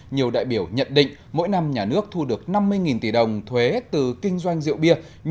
nhiều đại biểu nhận định mỗi năm nhà nước thu được năm mươi tỷ đồng thuế từ kinh doanh rượu bia